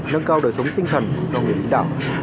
nâng cao đời sống tinh thần cho người lính đảo